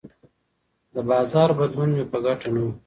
د بازار بدلون مې په ګټه نه و.